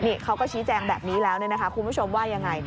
นี่เขาก็ชี้แจงแบบนี้แล้วเนี่ยนะคะคุณผู้ชมว่ายังไง